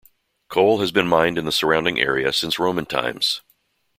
Coal has been mined in the surrounding area since Roman times.